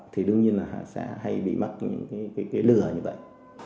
thì đương nhiên là sẽ hay bị mắc những cái lừa như vậy